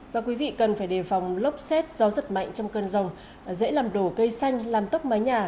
và quý vị cần phải đề phòng lốc xét do rất mạnh trong cơn rông dễ làm đổ cây xanh làm tóc mái nhà